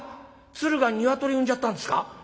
鶴がニワトリ産んじゃったんですか？」。